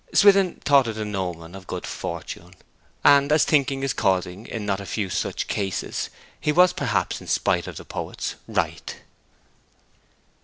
Swithin thought it an omen of good fortune; and as thinking is causing in not a few such cases, he was perhaps, in spite of poets, right.